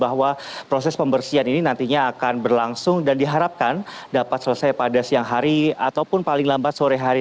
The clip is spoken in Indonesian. bahwa proses pembersihan ini nantinya akan berlangsung dan diharapkan dapat selesai pada siang hari ataupun paling lambat sore hari